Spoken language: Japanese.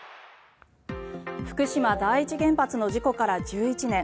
福島第一原発の事故から１１年。